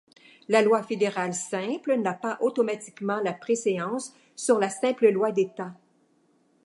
La loi fédérale simple n'a pas automatiquement la préséance sur la simple loi d'État.